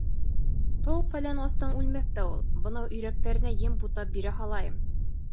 Тауыҡ-фәлән астан үлмәҫ тә ул, бынау өйрәктәренә ем бутап бирә һалайым.